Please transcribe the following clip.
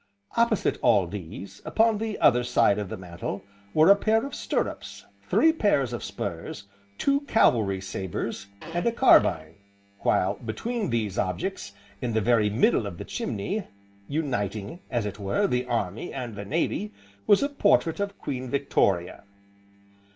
Opposite all these, upon the other side of the mantel, were a pair of stirrups, three pairs of spurs, two cavalry sabres, and a carbine, while between these objects, in the very middle of the chimney, uniting, as it were, the Army, and the Navy, was a portrait of Queen Victoria.